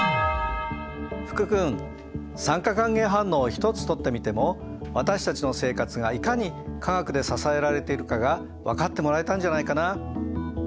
福君酸化還元反応一つとってみても私たちの生活がいかに化学で支えられているかが分かってもらえたんじゃないかな。